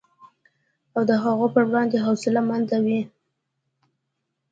او د هغوی په وړاندې حوصله مند وي